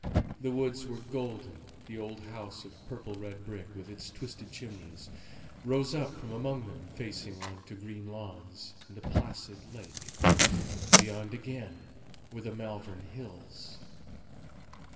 The woods were golden; the old house of purple red brick, with its twisted chimneys, rose up from among them facing on to green lawns, and a placid lake; beyond again were the Malvern Hills.